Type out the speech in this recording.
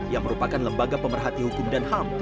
yang merupakan lembaga pemerhati hukum dan ham